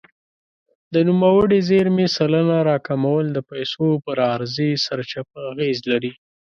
د نوموړې زیرمې سلنه راکمول د پیسو پر عرضې سرچپه اغېز لري.